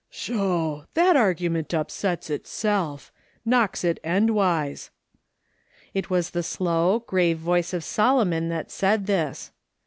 " Sho ! that argument upsets itself ! knocks it endwise." It was the slow, grave voice of Solomon that said this.